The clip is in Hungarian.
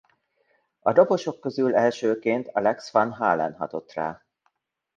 A dobosok közül elsőként Alex Van Halen hatott rá.